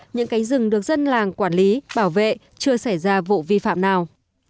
những cánh rừng được dân làng quản lý bảo vệ chưa xảy ra vụ vi phạm nào